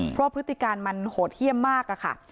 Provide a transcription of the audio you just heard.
เพราะพฤติการมันโหดเยี่ยมมากค่ะ